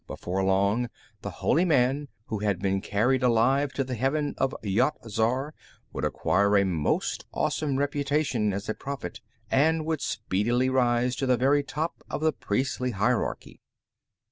Before long, the holy man who had been carried alive to the Heaven of Yat Zar would acquire a most awesome reputation as a prophet, and would speedily rise to the very top of the priestly hierarchy.